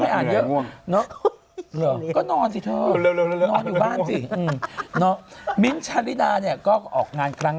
เขาเรียกกันอย่างนี้ในโลกในช่อง